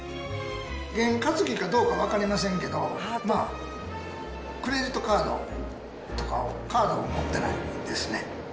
ゲン担ぎかどうか分かりませんけど、クレジットカードとかを、カードを持ってないですね。